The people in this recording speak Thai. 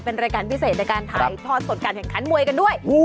เป็นรายการพิเศษในการถ่ายทอดสดการแข่งขันมวยกันด้วย